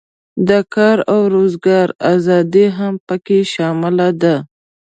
د کار او روزګار آزادي هم پکې شامله ده.